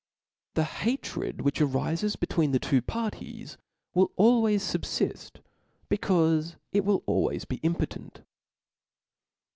The hatred which ariies between the two parties will always fubfift, becaufe it wili always be im potent.